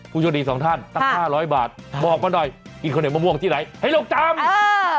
ผู้โชคดีสองท่านตั้ง๕๐๐บาทบอกมาหน่อยกินขนาดมะม่วงที่ไหนให้เราก็จำ